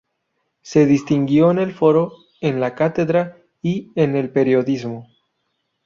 Se distinguió en el foro, en la cátedra y en el periodismo.